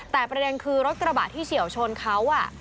แต่ประเด็นคือรถกระบะที่เฉียวชนเขา